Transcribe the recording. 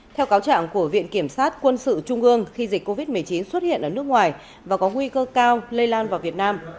theo cáo trạng của viện kiểm sát quân sự trung ương khi dịch covid một mươi chín xuất hiện ở nước ngoài và có nguy cơ cao lây lan vào việt nam